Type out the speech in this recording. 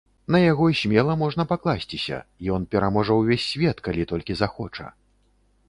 На яго смела можна пакласціся, ён пераможа ўвесь свет, калі толькі захоча.